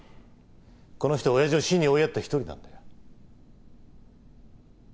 この人は親父を死に追いやった一人なんだよ。